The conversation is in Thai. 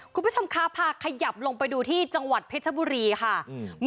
คุณผู้ชมภาคภาคขยับลงไปดูที่จังหวัดพริชบุรีค่ะอืม